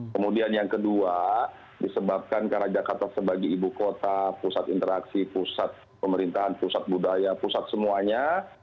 kemudian yang kedua disebabkan karena jakarta sebagai ibu kota pusat interaksi pusat pemerintahan pusat budaya pusat semuanya